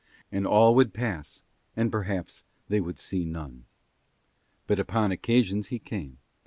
And all would pass and perhaps they would see none. But upon occasions he came.